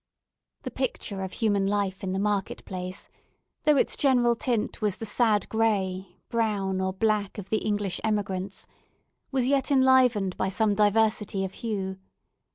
The picture of human life in the market place, though its general tint was the sad gray, brown, or black of the English emigrants, was yet enlivened by some diversity of hue.